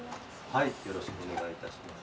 はいよろしくお願い致します。